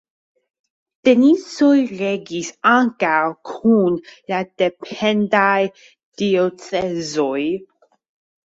Tensioj regis ankaŭ kun la dependaj diocezoj.